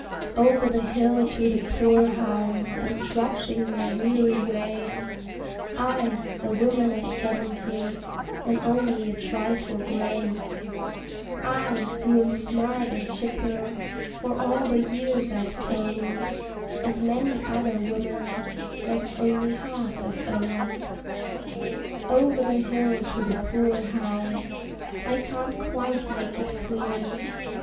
Over the hill to the poor house I'm trudgin' my weary way I, a woman of seventy, and only a trifle gray I, who am smart an' chipper, for all the years I've told, As many another woman that's only half as old. Over the hill to the poor house I can't quite make it clear!